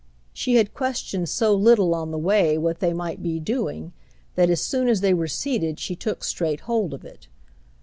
She had questioned so little on the way what they might be doing that as soon as they were seated she took straight hold of it.